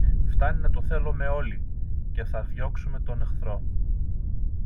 Φθάνει να το θέλομε όλοι, και θα διώξουμε τον εχθρό.